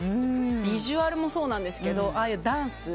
ビジュアルもそうなんですけどダンス。